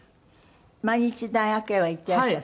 毎日大学へは行ってらっしゃる？